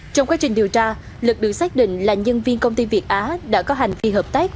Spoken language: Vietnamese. trong quá trình điều tra lực được xác định là nhân viên công ty việt á đã có hành vi hợp tác